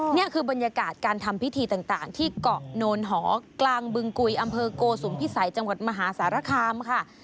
นี่คือบรรยากาศการทำพิธีต่างที่เกาะโนนหอกลางบึงกุยอำเภอโกสุมพิสัยจังหวัดมหาสารคามค่ะ